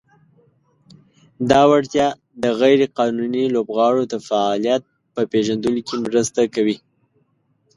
دا وړتیا د "غیر قانوني لوبغاړو د فعالیت" په پېژندلو کې مرسته کوي.